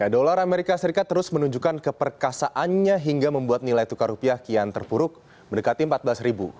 dolar amerika serikat terus menunjukkan keperkasaannya hingga membuat nilai tukar rupiah kian terpuruk mendekati empat belas ribu